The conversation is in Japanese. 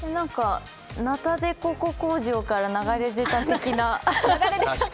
ナタデココ工場から流れ出た的な？